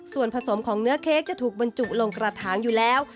ส่วนผสมของเนื้อเค้กจะถูกบรรจุลงกระถางอยู่แล้ว